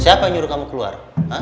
siapa yang nyuruh kamu keluar